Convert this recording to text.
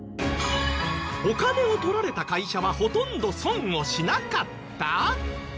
お金を盗られた会社はほとんど損をしなかった！？